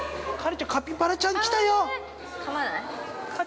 ちゃん、カピバラちゃん来たよ。